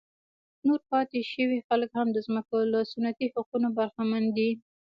نور پاتې شوي خلک هم د ځمکو له سنتي حقونو برخمن دي.